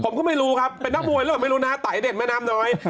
ผมก็ไม่รู้ครับเป็นนักมวยหรือเปล่าไม่รู้นะไตเด่นแม่น้ำน้อย